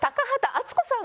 淳子さん。